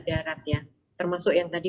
daratnya termasuk yang tadi